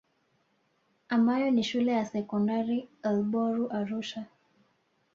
Ambayo ni shule ya Sekondari Ilboru Arusha